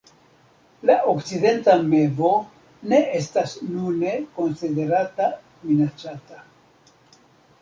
La Okcidenta mevo ne estas nune konsiderata minacata.